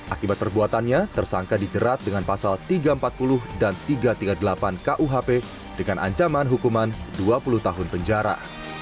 akibat perbuatannya tersangka dijerat dengan pasal tiga ratus empat puluh dan tiga ratus tiga puluh delapan kuhp dengan ancaman hukuman dua puluh tahun penjara